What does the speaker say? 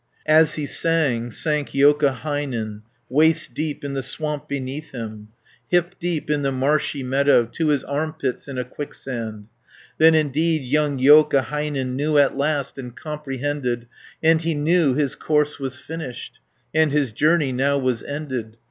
As he sang, sank Joukahainen Waist deep in the swamp beneath him, Hip deep in the marshy meadow, To his arm pits in a quicksand. 330 Then indeed young Joukahainen Knew at last, and comprehended; And he knew his course was finished, And his journey now was ended.